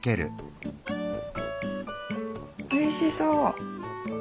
おいしそう！